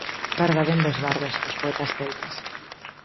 Barda vén dos bardos, os poetas celtas.